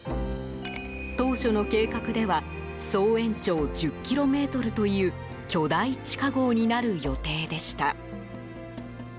当初の計画では総延長１０ｋｍという巨大地下壕になる予定でした。